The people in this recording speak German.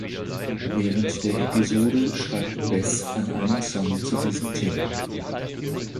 Während der Episode schreibt Bess an einem Song zu diesem Thema.